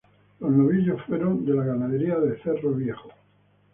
Los novillos fueron de la ganadería de Cerro Viejo.